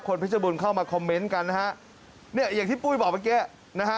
เพชรบูรณเข้ามาคอมเมนต์กันนะฮะเนี่ยอย่างที่ปุ้ยบอกเมื่อกี้นะฮะ